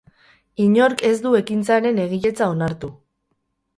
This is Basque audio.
Inork ez du ekintzaren egiletza onartu.